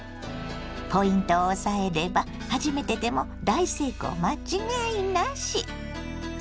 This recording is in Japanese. ポイントを押さえれば初めてでも大成功間違いなし。